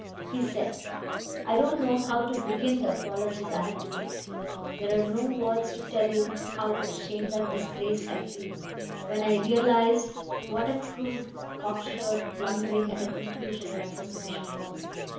He said: "I don't know how to begin the apologies I have to make. There are no words to tell you how ashamed and disgraced I feel when I realize what a crude, cock sure blundering at a conclusion my suspicion was.